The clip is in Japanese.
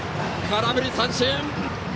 空振り三振！